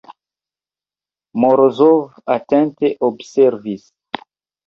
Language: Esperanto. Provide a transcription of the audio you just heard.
Morozov atente observis.